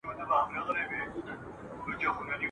تر اسمانه وزرونه د ختلو !.